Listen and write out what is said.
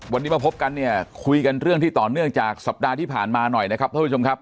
วันนี้มาพบกันเนี่ยคุยกันเรื่องที่ต่อเนื่องจากสัปดาห์ที่ผ่านมาหน่อยนะครับท่านผู้ชมครับ